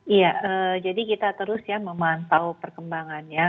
iya jadi kita terus ya memantau perkembangannya